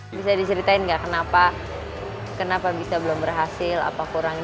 bisa diseritain nggak kenapa bisa belum berhasil apa kurang